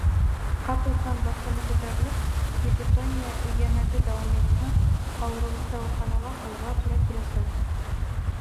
Ҡапыл ҡан баҫымы күтәрелеп, гипертония өйәнәге дауам итһә, ауырыуҙы дауаханаға һалырға тура киләсәк.